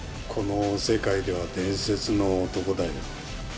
この世界では伝説の男だよ。